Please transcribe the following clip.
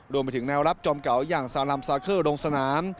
รวมไปถึงแนวรับจอมเก่าอย่างซาลัมซาเคิลลงสนาม